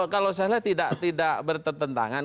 kalau saya lihat tidak bertentangan